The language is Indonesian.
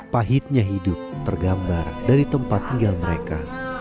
pahitnya hidup tergambar dari tempat tinggal mereka